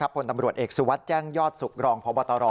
ผลตำรวจเอกสุวัสดิ์แจ้งยอดสุขรองพบตร